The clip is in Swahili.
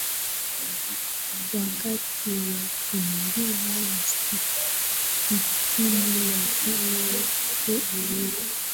Wakati wa kuingia msikitini lazima mtu amevaa